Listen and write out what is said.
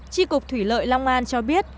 chi cục thủy lợi long an cho biết